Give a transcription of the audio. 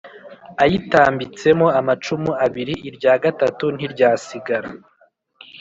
Ayitambitsemo amacumu abiri irya gatatu ntiryasigara